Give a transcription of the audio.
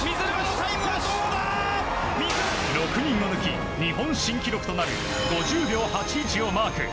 ６人抜き、日本新記録となる５０秒８１をマーク。